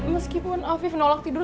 meskipun afif nolak tidur